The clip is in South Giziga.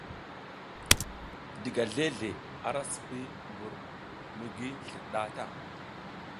Diga zleʼzle ara sipi mbur mi gi slir nɗah ta.